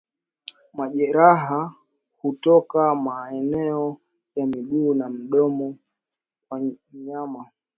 Majeraha hutoka maeneo ya miguu na mdomo kwa mnyama